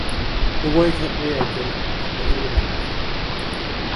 উভয় ক্ষেত্রেই একজন অত্যাচারী রাজা ছিল।